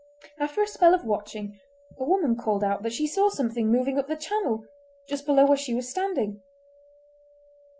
After a spell of watching a woman called out that she saw something moving up the channel, just below where she was standing.